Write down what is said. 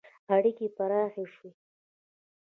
• اړیکې پراخې شوې.